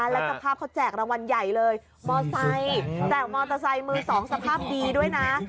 แล้วสภาพเขาแจกรางวัลใหญ่เลยมอไซค์แจกมอเตอร์ไซค์มือสองสภาพดีด้วยนะ